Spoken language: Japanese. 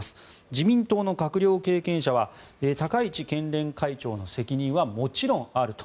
自民党の閣僚経験者は高市県連会長の責任はもちろんあると。